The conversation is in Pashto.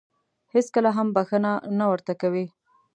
هېڅکله هم بښنه نه ورته کوي .